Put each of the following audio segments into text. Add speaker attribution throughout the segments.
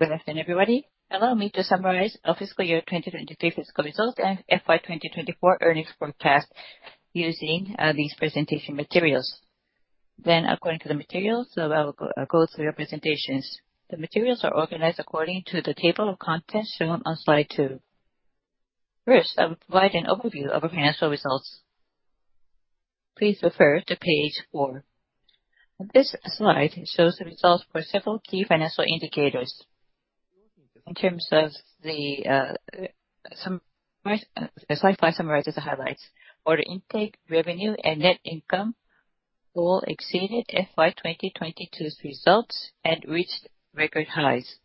Speaker 1: Good afternoon, everybody. Allow me to summarize our fiscal year 2023 fiscal results and FY 2024 earnings forecast using these presentation materials. According to the materials, I will go through our presentations. The materials are organized according to the table of contents shown on slide two. First, I will provide an overview of our financial results. Please refer to page four. This slide shows the results for several key financial indicators. In terms of the some slide five summarizes the highlights. Order intake, revenue, and net income all exceeded FY 2022's results and reached record highs.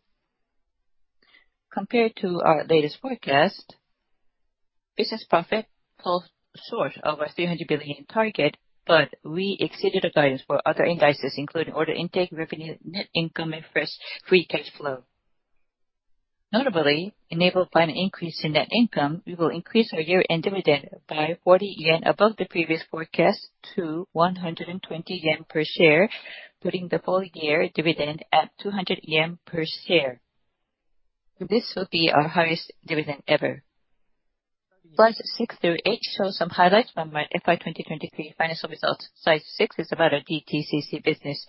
Speaker 1: Compared to our latest forecast, business profit fell short of our 300 billion target, but we exceeded the guidance for other indices, including order intake, revenue, net income, and free cash flow. Notably, enabled by an increase in net income, we will increase our year-end dividend by 40 yen above the previous forecast to 120 yen per share, putting the full year dividend at 200 yen per share. This will be our highest dividend ever. Slides six through eight show some highlights from our FY 2023 financial results. Slide six is about our GTCC business.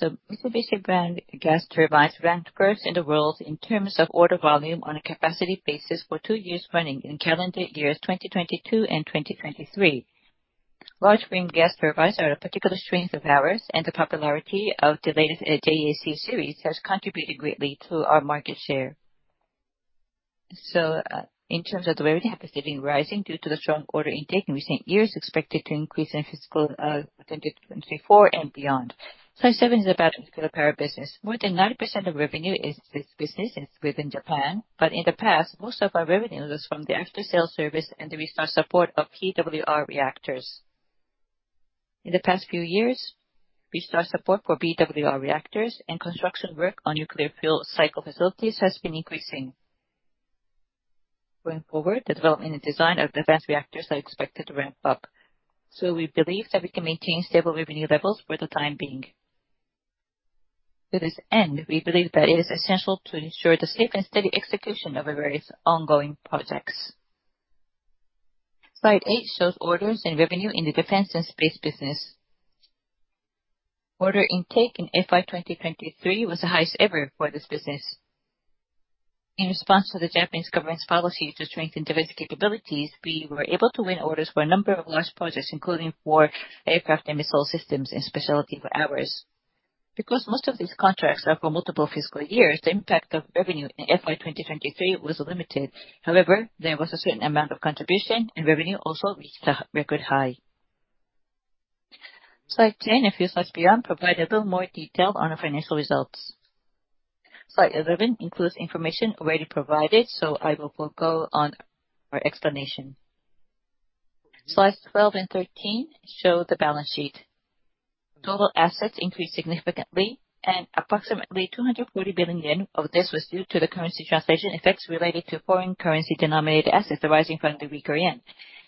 Speaker 1: So Mitsubishi brand gas turbines ranked first in the world in terms of order volume on a capacity basis for two years running in calendar years 2022 and 2023. Large frame gas turbines are a particular strength of ours, and the popularity of the latest JAC series has contributed greatly to our market share. So, in terms of the revenue, have been rising due to the strong order intake in recent years, expected to increase in fiscal 2024 and beyond. Slide seven is about nuclear power business. More than 90% of revenue is this business, it's within Japan, but in the past, most of our revenue was from the after-sale service and the restart support of PWR reactors. In the past few years, restart support for PWR reactors and construction work on nuclear fuel cycle facilities has been increasing. Going forward, the development and design of advanced reactors are expected to ramp up, so we believe that we can maintain stable revenue levels for the time being. To this end, we believe that it is essential to ensure the safe and steady execution of our various ongoing projects. Slide eight shows orders and revenue in the defense and space business. Order intake in FY 2023 was the highest ever for this business. In response to the Japanese government's policy to strengthen domestic abilities, we were able to win orders for a number of large projects, including for aircraft and missile systems, a specialty for ours. Because most of these contracts are for multiple fiscal years, the impact of revenue in FY 2023 was limited. However, there was a certain amount of contribution, and revenue also reached a record high. Slide 10, a few slides beyond, provide a little more detail on our financial results. Slide 11 includes information already provided, so I will forgo on our explanation. Slides 12 and 13 show the balance sheet. Total assets increased significantly, and approximately 240 billion yen of this was due to the currency translation effects related to foreign currency-denominated assets arising from the weaker yen.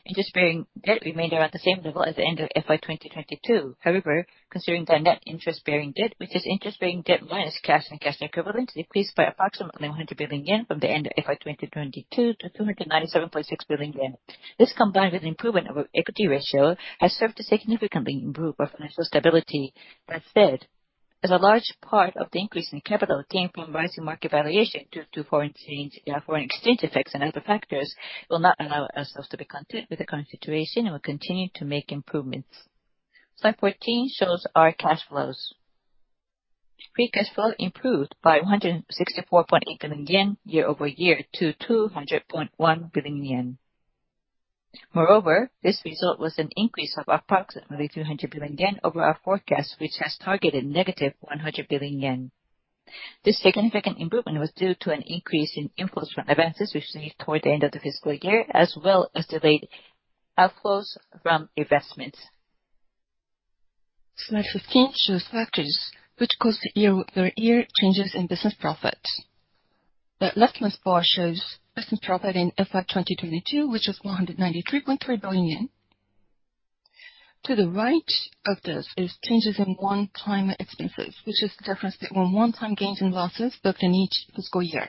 Speaker 1: Interest-bearing debt remained around the same level as the end of FY 2022. However, considering our net interest-bearing debt, which is interest-bearing debt minus cash and cash equivalents, decreased by approximately 100 billion yen from the end of FY 2022 to 297.6 billion yen. This, combined with improvement of our equity ratio, has served to significantly improve our financial stability. That said, as a large part of the increase in capital came from rising market valuation due to foreign exchange, foreign exchange effects and other factors, will not allow ourselves to be content with the current situation and will continue to make improvements. Slide 14 shows our cash flows. Free cash flow improved by 164.8 billion yen year-over-year to 200.1 billion yen. Moreover, this result was an increase of approximately 200 billion yen over our forecast, which has targeted -100 billion yen. This significant improvement was due to an increase in inflows from advances received toward the end of the fiscal year, as well as delayed outflows from investments.
Speaker 2: Slide 15 shows factors which caused the year-over-year changes in business profit. The leftmost bar shows business profit in FY 2022, which is 193.3 billion yen. To the right of this is changes in one-time expenses, which is the difference between one-time gains and losses booked in each fiscal year.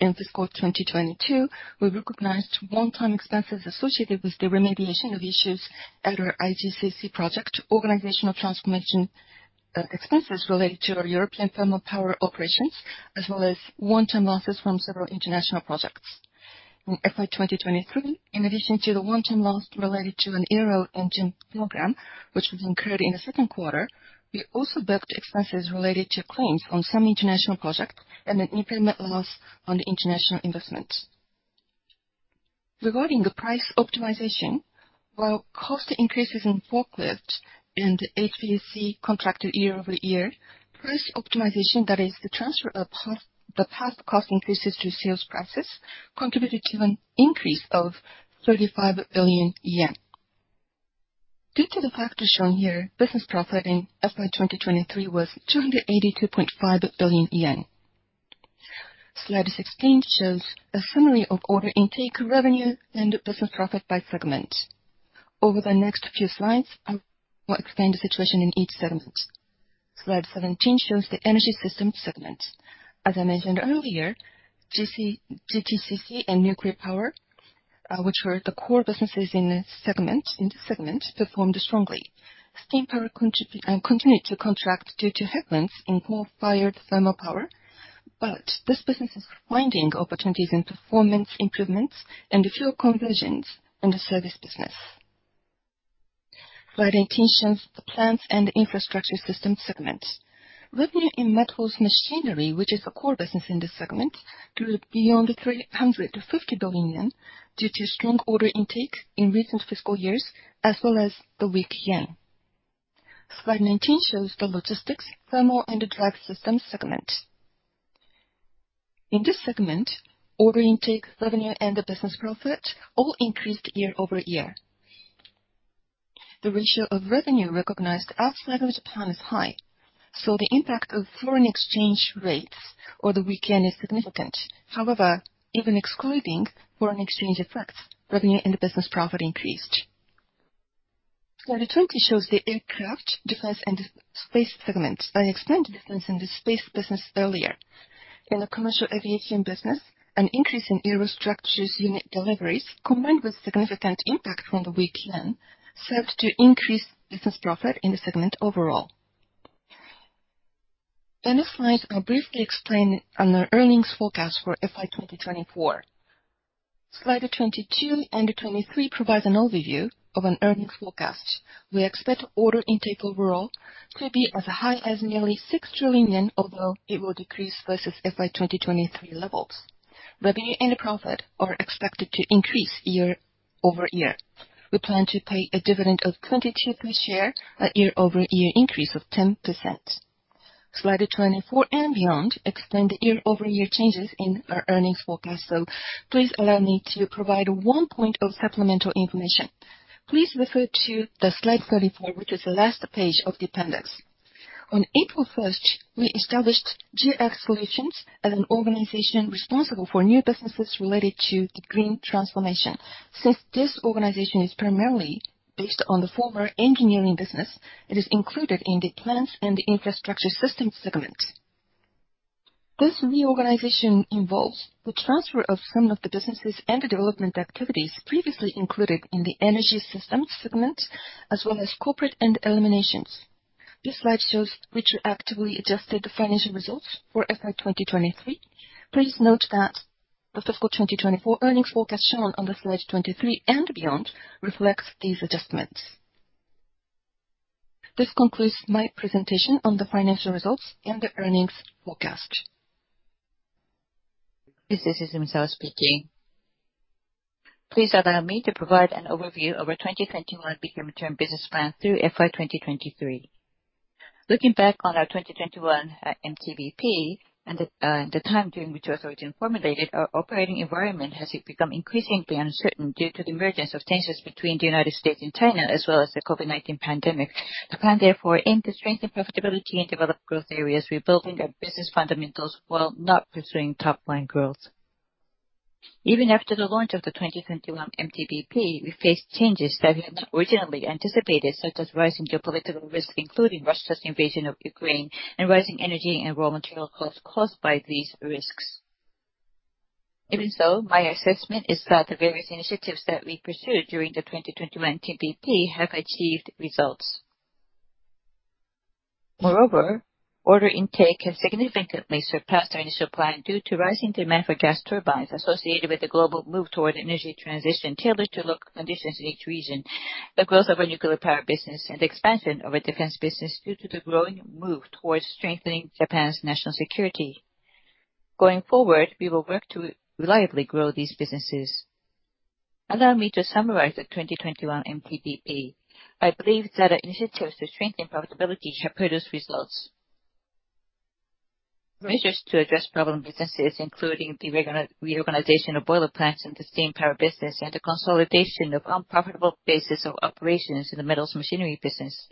Speaker 2: In fiscal 2022, we recognized one-time expenses associated with the remediation of issues at our IGCC project, organizational transformation, expenses related to our European thermal power operations, as well as one-time losses from several international projects. In FY 2023, in addition to the one-time loss related to an aero engine program, which was incurred in the second quarter, we also booked expenses related to claims on some international projects and an impairment loss on the international investment. Regarding the price optimization, while cost increases in forklifts and HVAC contracted year over year, price optimization, that is the transfer of past, the past cost increases to sales prices, contributed to an increase of 35 billion yen. Due to the factors shown here, business profit in FY 2023 was 282.5 billion yen. Slide 16 shows a summary of order intake, revenue, and business profit by segment. Over the next few slides, I will explain the situation in each segment. Slide 17 shows the Energy Systems segment. As I mentioned earlier, GTCC and nuclear power, which were the core businesses in the segment, in the segment, performed strongly. Steam power continued to contract due to headwinds in coal-fired thermal power, but this business is finding opportunities in performance improvements and fuel conversions in the service business. Slide 18 shows the Plants & Infrastructure Systems segment. Revenue in metal machinery, which is a core business in this segment, grew beyond 350 billion yen, due to strong order intake in recent fiscal years, as well as the weak yen. Slide 19 shows the Logistics, Thermal & Drive Systems segment. In this segment, order intake, revenue, and business profit all increased year-over-year. The ratio of revenue recognized outside of Japan is high, so the impact of foreign exchange rates or the weak yen is significant. However, even excluding foreign exchange effects, revenue and business profit increased. Slide 20 shows the Aircraft, Defense & Space segment. I explained the difference in the space business earlier. In the commercial aviation business, an increase in aerostructures unit deliveries, combined with significant impact from the weak yen, served to increase business profit in the segment overall. In this slide, I'll briefly explain on our earnings forecast for FY 2024. Slide 22 and 23 provides an overview of an earnings forecast. We expect order intake overall to be as high as nearly 6 trillion yen, although it will decrease versus FY 2023 levels. Revenue and profit are expected to increase year-over-year. We plan to pay a dividend of 22 per share, a year-over-year increase of 10%. Slide 24 and beyond explain the year-over-year changes in our earnings forecast, so please allow me to provide one point of supplemental information. Please refer to the slide 34, which is the last page of the appendix. On April 1, we established GX Solutions as an organization responsible for new businesses related to the green transformation. Since this organization is primarily based on the former engineering business, it is included in the Plants & Infrastructure Systems segment. This reorganization involves the transfer of some of the businesses and the development activities previously included in the energy systems segment, as well as corporate and eliminations. This slide shows the actively adjusted financial results for FY 2023. Please note that the fiscal 2024 earnings forecast shown on the slide 23 and beyond reflects these adjustments. This concludes my presentation on the financial results and the earnings forecast.
Speaker 1: This is Izumisawa speaking. Please allow me to provide an overview of our 2021 Medium-Term Business Plan through FY 2023. Looking back on our 2021 MTBP and the time during which it was originally formulated, our operating environment has become increasingly uncertain due to the emergence of tensions between the United States and China, as well as the COVID-19 pandemic. The plan, therefore, aimed to strengthen profitability and develop growth areas, rebuilding our business fundamentals while not pursuing top-line growth. Even after the launch of the 2021 MTBP, we faced changes that we had not originally anticipated, such as rising geopolitical risks, including Russia's invasion of Ukraine and rising energy and raw material costs caused by these risks. Even so, my assessment is that the various initiatives that we pursued during the 2021 MTBP have achieved results. Moreover, order intake has significantly surpassed our initial plan due to rising demand for gas turbines associated with the global move toward energy transition, tailored to local conditions in each region, the growth of our nuclear power business and expansion of our defense business due to the growing move towards strengthening Japan's national security. Going forward, we will work to reliably grow these businesses. Allow me to summarize the 2021 MTBP. I believe that our initiatives to strengthen profitability have produced results. Measures to address problem businesses, including the reorganization of boiler plants and the steam power business, and the consolidation of unprofitable bases of operations in the metals machinery business.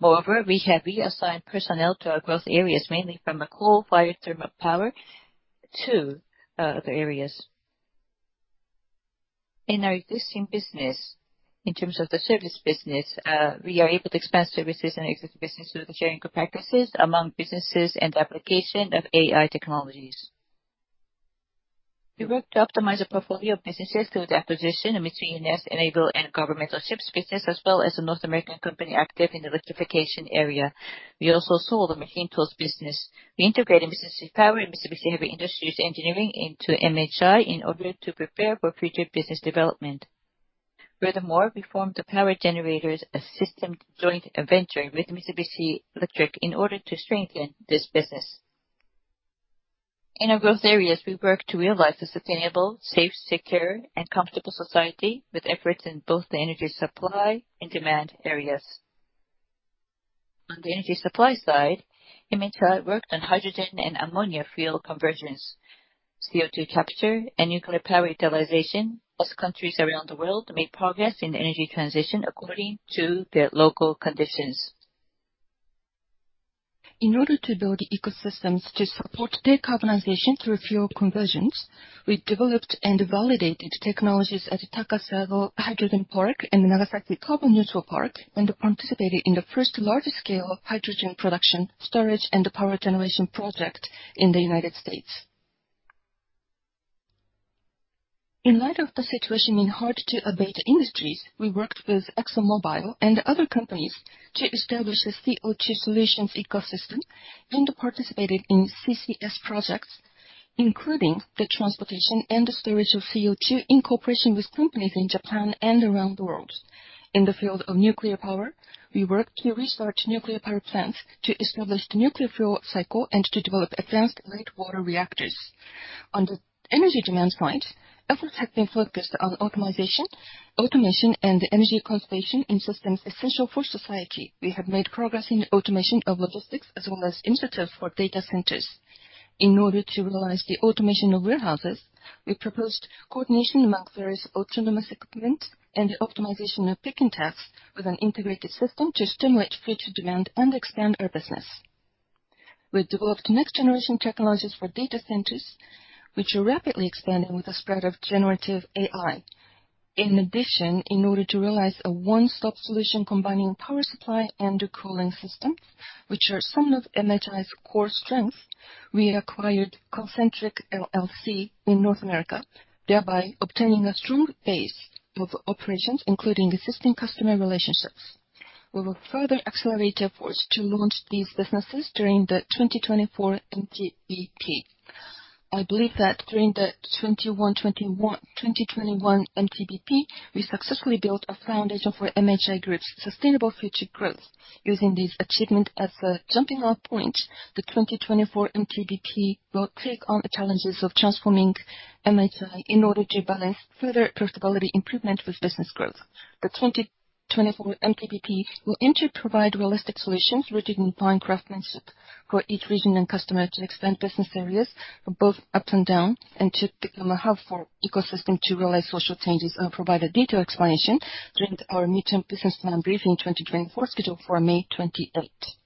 Speaker 1: Moreover, we have reassigned personnel to our growth areas, mainly from a coal-fired thermal power to other areas. In our existing business, in terms of the service business, we are able to expand services and existing business through the sharing of practices among businesses and application of AI technologies. We worked to optimize our portfolio of businesses through the acquisition of Mitsui E&S, Naval, and Governmental Ships business, as well as a North American company active in the electrification area. We also sold the machine tools business. We integrated Mitsubishi Power and Mitsubishi Heavy Industries Engineering into MHI in order to prepare for future business development. Furthermore, we formed the power generators, a system joint venture with Mitsubishi Electric, in order to strengthen this business. In our growth areas, we work to realize a sustainable, safe, secure, and comfortable society, with efforts in both the energy supply and demand areas. On the energy supply side, Mitsubishi worked on hydrogen and ammonia fuel conversions, CO2 capture, and nuclear power utilization, as countries around the world made progress in energy transition according to their local conditions. In order to build ecosystems to support decarbonization through fuel conversions, we developed and validated technologies at the Takasago Hydrogen Park and Nagasaki Carbon Neutral Park, and participated in the first large-scale hydrogen production, storage, and power generation project in the United States. In light of the situation in hard-to-abate industries, we worked with ExxonMobil and other companies to establish a CO2 solutions ecosystem and participated in CCS projects, including the transportation and the storage of CO2, in cooperation with companies in Japan and around the world. In the field of nuclear power, we worked to research nuclear power plants, to establish the nuclear fuel cycle, and to develop advanced light water reactors. On the energy demand side, efforts have been focused on optimization, automation, and energy conservation in systems essential for society. We have made progress in the automation of logistics, as well as initiatives for data centers. In order to realize the automation of warehouses, we proposed coordination among various autonomous equipment and optimization of picking tasks with an integrated system to stimulate future demand and expand our business. We've developed next-generation technologies for data centers, which are rapidly expanding with the spread of generative AI. In addition, in order to realize a one-stop solution combining power supply and cooling systems, which are some of MHI's core strengths, we acquired Concentric, LLC in North America, thereby obtaining a strong base of operations, including existing customer relationships. We will further accelerate efforts to launch these businesses during the 2024 MTBP. I believe that during the twenty twenty-one MTBP, we successfully built a foundation for MHI Group's sustainable future growth. Using this achievement as a jumping off point, the 2024 MTBP will take on the challenges of transforming MHI in order to balance further profitability improvement with business growth. The 2024 MTBP will aim to provide realistic solutions rooted in fine craftsmanship for each region and customer, to expand business areas both up and down, and to become a hub for ecosystem to realize social changes. I'll provide a detailed explanation during our midterm business plan briefing in 2024, scheduled for May 28th.